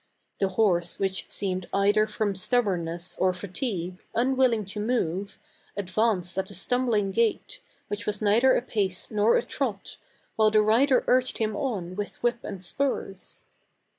The horse which seemed either from stubbornness or fatigue, un willing to move, advanced at a stumbling gait, which was neither a pace nor a trot, while the rider urged him on with whip and spurs.